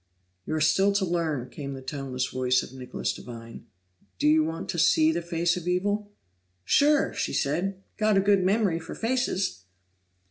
"You're still to learn," came the toneless voice of Nicholas Devine. "Do you want to see the face of evil?" "Sure!" she said. "Got a good memory for faces!"